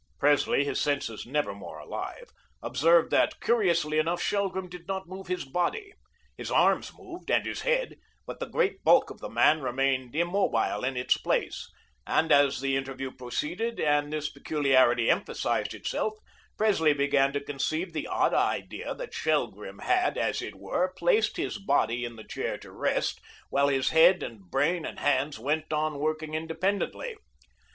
Presley, his senses never more alive, observed that, curiously enough, Shelgrim did not move his body. His arms moved, and his head, but the great bulk of the man remained immobile in its place, and as the interview proceeded and this peculiarity emphasised itself, Presley began to conceive the odd idea that Shelgrim had, as it were, placed his body in the chair to rest, while his head and brain and hands went on working independently.